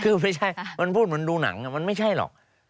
คือไม่ใช่มันพูดเหมือนดูหนังมันไม่ใช่หรอก